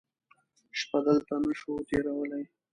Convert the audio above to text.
شپه دلته نه شو تېرولی.